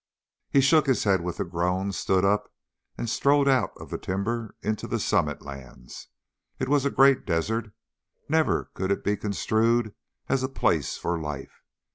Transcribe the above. He shook his head with a groan, stood up, and strode out of the timber into the summit lands. It was a great desert. Never could it be construed as a place for life.